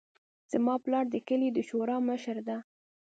زما پلار د کلي د شورا مشر ده